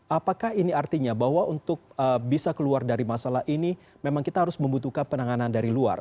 apakah ini artinya bahwa untuk bisa keluar dari masalah ini memang kita harus membutuhkan penanganan dari luar